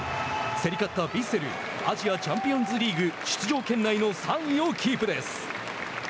競り勝ったヴィッセルアジアチャンピオンズリーグ出場圏内の３位をキープです。